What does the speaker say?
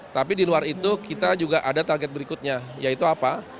tapi di luar itu kita juga ada target berikutnya yaitu apa